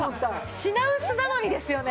品薄なのにですよね。